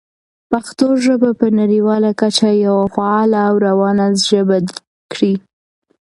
پښتو ژبه په نړیواله کچه یوه فعاله او روانه ژبه کړئ.